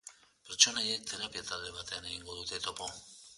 Pertsonaiek terapia talde batean egingo dute topo.